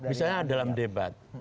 misalnya dalam debat